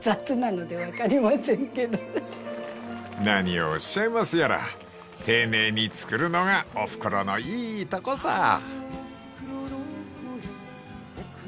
［何をおっしゃいますやら丁寧に作るのがおふくろのいいとこさ］